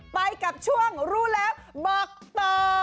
ไปกับช่วงรู้แล้วบอกต่อ